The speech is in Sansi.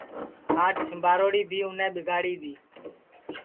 کھاٹ سجاوڑا بی اُنے ٻیگاڑی دؔی